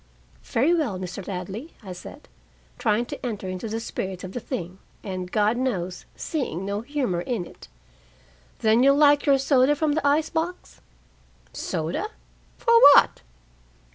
"Very well, Mr. Ladley," I said, trying to enter into the spirit of the thing, and, God knows, seeing no humor in it. "Then you'll like your soda from the ice box?" "Soda? For what?"